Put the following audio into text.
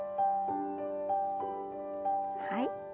はい。